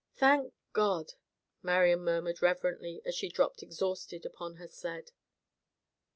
"Thank God!" Marian murmured reverently as she dropped exhausted upon her sled.